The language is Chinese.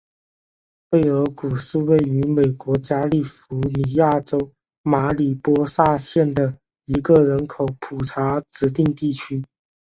贝尔谷是位于美国加利福尼亚州马里波萨县的一个人口普查指定地区。